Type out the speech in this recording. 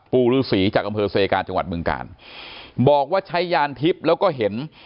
ปู่รื้อฝีจากกำเภอเศรษฐกาลจังหวัดเมืองกาลบอกว่าใช้ยานทิพย์แล้วก็เห็น